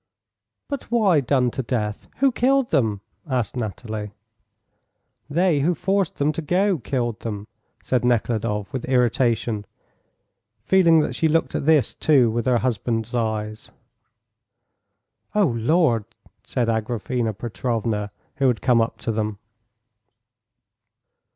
"But why done to death? Who killed them?" asked Nathalie. "They who forced them to go killed them," said Nekhludoff, with irritation, feeling that she looked at this, too, with her husband's eyes. "Oh, Lord!" said Agraphena Petrovna, who had come up to them.